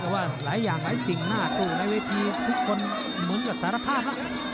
แต่ว่าหลายอย่างหลายสิ่งหน้าตู้ในเวทีทุกคนเหมือนกับสารภาพแล้ว